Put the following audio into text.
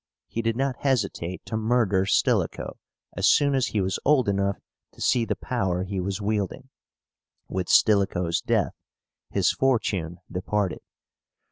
He did not hesitate to murder Stilicho as soon as he was old enough to see the power he was wielding. With Stilicho's death his fortune departed.